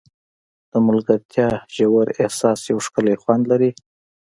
د ملګرتیا ژور احساس یو ښکلی خوند لري.